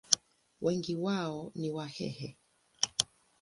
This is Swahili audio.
Wengi wao ni Wahehe.